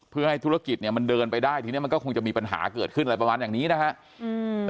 เพื่อให้ธุรกิจเนี่ยมันเดินไปได้ทีนี้มันก็คงจะมีปัญหาเกิดขึ้นอะไรประมาณอย่างนี้นะฮะ